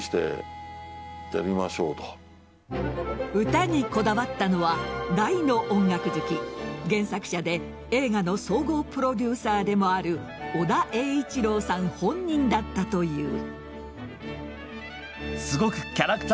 歌にこだわったのは大の音楽好き原作者で、映画の総合プロデューサーでもある尾田栄一郎さん本人だったという。